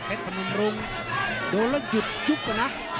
พนุมรุงโดนแล้วหยุดยุบก่อนนะ